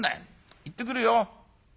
行ってくるよ。